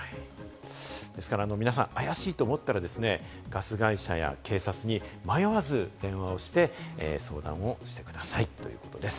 ですから皆さん、怪しいと思ったらですね、ガス会社や警察に迷わず電話をして相談をしてください。